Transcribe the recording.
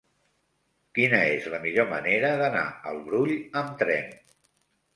Quina és la millor manera d'anar al Brull amb tren?